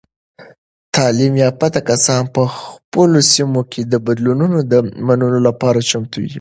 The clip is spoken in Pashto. تعلیم یافته کسان په خپلو سیمو کې د بدلونونو د منلو لپاره چمتو وي.